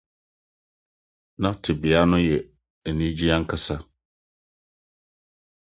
Na tebea no yɛ anigye ankasa.